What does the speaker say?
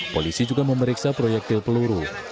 polisi juga memeriksa proyektil peluru